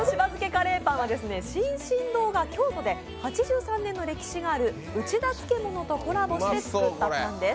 カレーパンは、進々堂が京都で８３年の歴史がある打田漬物とコラボして作ったパンです。